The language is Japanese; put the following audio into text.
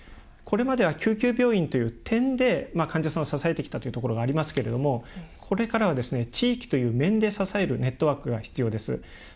これまでは救急病院という点で支えてきたというところがありますけれどもこれからは地域という面で支えることが必要です。